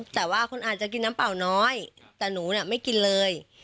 แต่ว่าคนอาจจะกินน้ำเปล่าน้อยแต่หนูไม่กินเลย